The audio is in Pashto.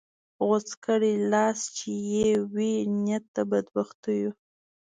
غوڅ کړې لاس چې یې وي نیت د بدبختیو